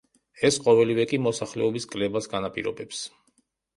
ეს ყოველივე კი მოსახლეობის კლებას განაპირობებს.